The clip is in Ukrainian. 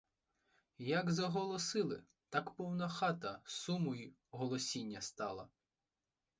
Як заголосили, так повна хата суму й голосіння стала!